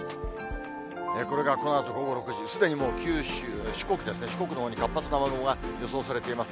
これがこのあと午後６時、すでにもう九州、四国ですね、四国のほうに活発な雨雲が予想されています。